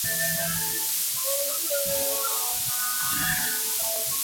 Constituye una binaria eclipsante de tipo W Ursae Majoris.